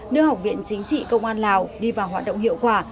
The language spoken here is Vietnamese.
đưa học viện chính trị công an lào đi vào hoạt động hiệu quả